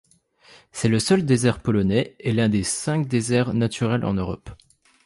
C'est le seul désert polonais, et l'un des cinq déserts naturels en Europe.